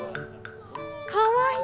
かわいい。